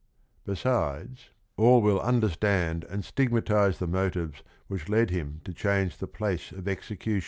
— Besidespaft will understand and stigmatize the motives which led him to change the place of execution.